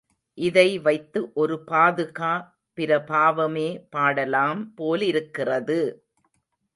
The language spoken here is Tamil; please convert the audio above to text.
இதை வைத்து ஒரு பாதுகா பிரபாவமே பாடலாம் போலிருக்கிறது!